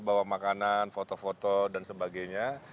bawa makanan foto foto dan sebagainya